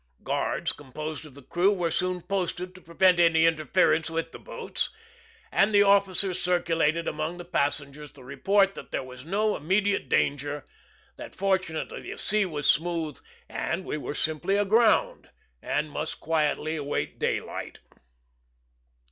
Guards, composed of the crew, were soon posted to prevent any interference with the boats, and the officers circulated among the passengers the report that there was no immediate danger; that, fortunately, the sea was smooth; that we were simply aground, and must quietly await daylight.